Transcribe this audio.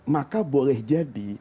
maka boleh jadi